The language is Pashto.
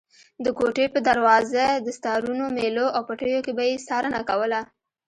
د کوټې په دروازه، دستارونو، مېلو او پټیو کې به یې څارنه کوله.